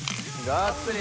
ガッツリ！